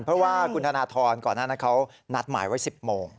เพราะว่าคุณธนทรก่อนหน้านั้นเขานัดหมายไว้๑๐โมง